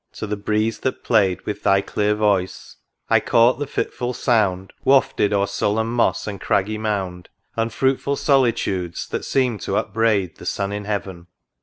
to the breeze that play'd With thy clear voice, I caught the fitful sound Wafted o'er sullen moss and craggy mound, Unfruitful solitudes, that seem'd to upbraid The sun in heaven